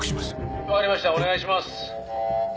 お願いします」